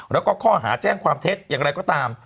แล้วก็ข้อหาแจ้งความเท็จอย่างไรก็ตาม